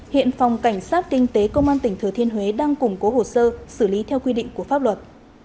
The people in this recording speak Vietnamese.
hiện phòng cảnh sát kinh tế công an tỉnh thừa thiên huế đang củng cố hồ sơ xử lý theo quy định của pháp luật